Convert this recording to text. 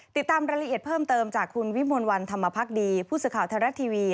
ติดตามรายละเอียดเพิ่มเติมจากคุณวิมลวันธรรมพักดีผู้สื่อข่าวไทยรัฐทีวี